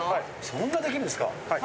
そんなできるんですか？